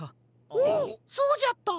おおそうじゃった。